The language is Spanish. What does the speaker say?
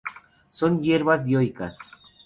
Son hierbas dioicas.